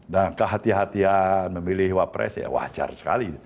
dan kehatian kehatian memilih wapres ya wajar sekali